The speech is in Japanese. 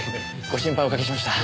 ご心配おかけしました。